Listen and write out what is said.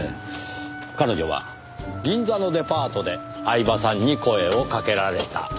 彼女は銀座のデパートで饗庭さんに声をかけられた。